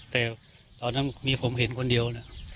แต่ตอนนั้นมีผมเห็นคนเดียวนะ